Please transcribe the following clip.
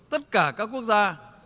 tất cả các quốc gia